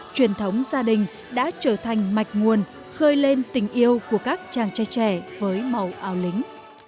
truyền thống gia đình đã trở thành mạch nguồn khơi lên tình yêu của các chàng trai trẻ với màu ao lính